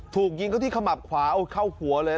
ถูกยิงเขาที่ขมับขวาเอาเข้าหัวเลย